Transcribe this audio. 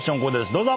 どうぞ！